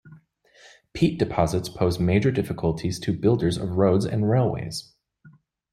Peat deposits pose major difficulties to builders of roads and railways.